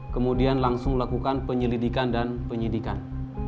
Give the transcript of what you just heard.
kemudian langsung melakukan penyelidikan dan penyidikan